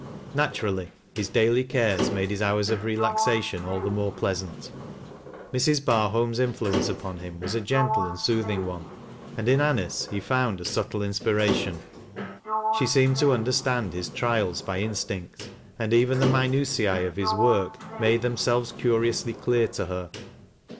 Natu rally, his daily cares made his hours of relaxation all thf more pleasant. Mrs. Barholm's influence upon him was a gentle and soothing one, and in Anice he found a sub tle inspiration. She seemed to understand his trials b,^ instinct, and even the minutiae of his work made tliem aelves curiously clear to her.